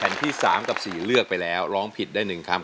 แผ่นที่สามกับสี่เลือกไปแล้วร้องผิดได้หนึ่งคำ